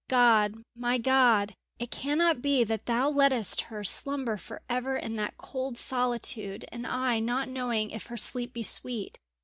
"God! my God! it cannot be that Thou lettest her slumber for ever in that cold solitude and I not knowing if her sleep be sweet.